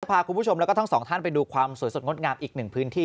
พาคุณผู้ชมแล้วก็ทั้งสองท่านไปดูความสวยสดงดงามอีกหนึ่งพื้นที่